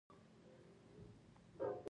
تېری کیږي.